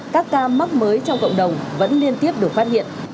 các ca mắc mới trong cộng đồng vẫn liên tiếp được phát hiện